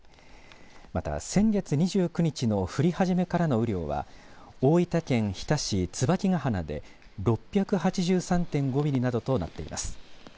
また先月２９日の降り始めからの雨量は大分県日田市椿ヶ鼻で６８３．５ミリなどとなっています。